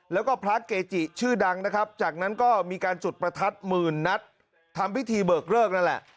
แล้วก็พระเกจิชื่อดังนะครับจากนั้นก็มีการจุดประทัดหมื่นนัดทำพิธีเบิกเลิกนั่นแหละ